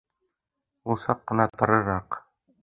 Ул саҡ ҡына тарыраҡ